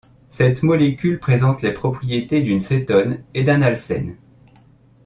Cette molécule présente les propriétés d'une cétone et d'un alcène.